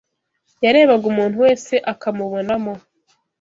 Yarebaga umuntu wese akamubonamo